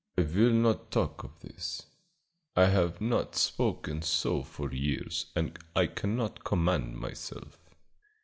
"I will not talk of this. I have not spoken so for years and I cannot command myself.